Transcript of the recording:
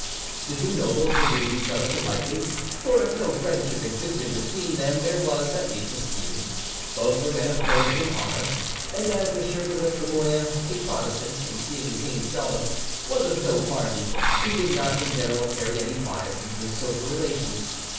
The two nobles saluted each other politely, for if no friendship existed between them, there was at least esteem. Both were men of courage and honor; and as M. de la Trémouille—a Protestant, and seeing the king seldom—was of no party, he did not, in general, carry any bias into his social relations.